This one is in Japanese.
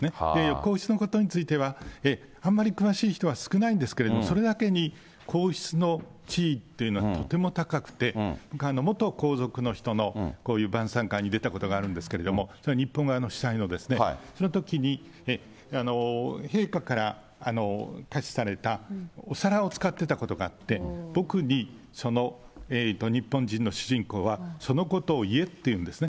皇室のことについては、あんまり詳しい人は少ないんですけど、それだけに、皇室の地位というのはとても高くて、元皇族の人のこういう晩さん会に出たことがあるんですけれども、日本側の主催のですね、そのときに陛下から下賜されたお皿を使っていたことがあって、僕に日本人の主人公はそのことを言えって言うんですね。